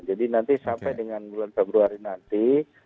jadi nanti sampai dengan bulan februari nanti